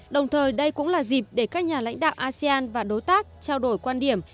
đồng thời đây cũng là dịp để các nhà lãnh đạo asean và đối tác trao đổi quan điểm